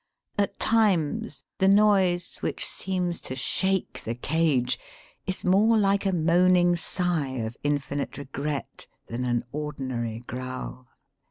At times the noise, which seems to shake the cage, is more hke a moaning sigh of infinite regret than an ordinary growl.